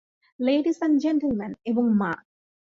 Ladies and gentleman এবং মা!